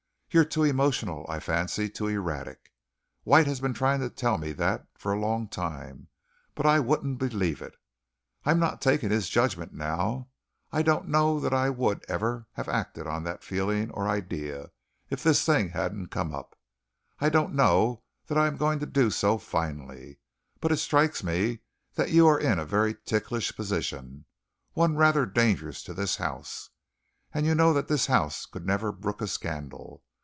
You're too emotional, I fancy too erratic. White has been trying to tell me that for a long time, but I wouldn't believe it. I'm not taking his judgment now. I don't know that I would ever have acted on that feeling or idea, if this thing hadn't come up. I don't know that I am going to do so finally, but it strikes me that you are in a very ticklish position one rather dangerous to this house, and you know that this house could never brook a scandal.